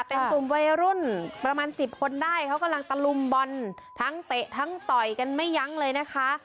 เป็นกลุ่มวัยรุ่นประมาณสิบคนได้เขากำลังตะลุมบอลทั้งเตะทั้งต่อยกันไม่ยั้งเลยนะคะ